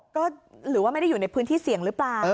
ก็หรือว่าไม่ได้อยู่ในพื้นที่เสี่ยงหรือเปล่า